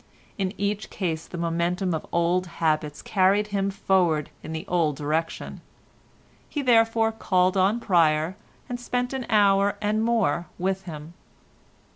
In each case the momentum of old habits carried him forward in the old direction. He therefore called on Pryer, and spent an hour and more with him.